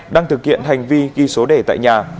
đang thực hiện hành vi ghi số đề tại nhà